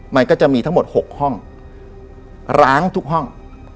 มันก็จะมีทั้งหมด๖ห้องล้างทุกห้อง